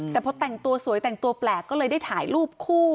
แต่พอแต่งตัวสวยแต่งตัวแปลกก็เลยได้ถ่ายรูปคู่